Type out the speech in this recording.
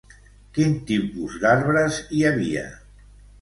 Quins tipus d'arbres hi havia?